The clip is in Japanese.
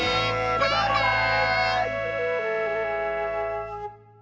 バイバーイ！